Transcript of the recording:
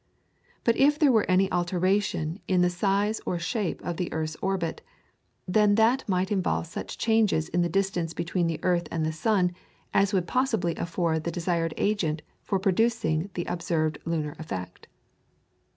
But if there were any alteration in the shape or size of the earth's orbit, then that might involve such changes in the distance between the earth and the sun as would possibly afford the desired agent for producing the observed lunar effect.